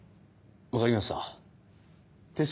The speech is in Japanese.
分かりました撤収！